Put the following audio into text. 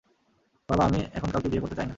বাবা, আমি এখন কাউকে বিয়ে করতে চাই না।